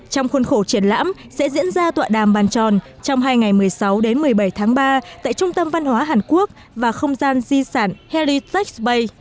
trong khuôn khổ triển lãm sẽ diễn ra tọa đàm bàn tròn trong hai ngày một mươi sáu một mươi bảy tháng ba tại trung tâm văn hóa hàn quốc và không gian di sản heritage bay